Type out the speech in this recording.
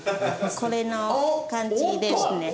これの感じですね。